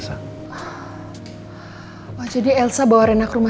sampai ketemu lainnya